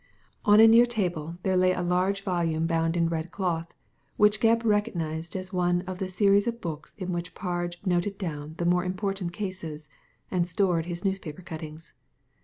On a near table there lay a large volume bound in red cloth, which Gebb recognized as one of the series of books in which Parge noted down the more important cases, and stored his newspaper cuttings.